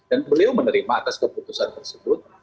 dan beliau menerima atas keputusan tersebut